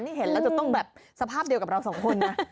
นี่เห็นแล้วจะต้องแบบสภาพเดียวกับเราสองคนนะ